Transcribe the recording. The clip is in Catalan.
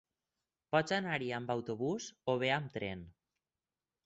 Pot anar-hi amb autobús o bé amb tren.